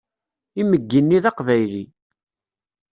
Imeggi-nni d Aqbayli.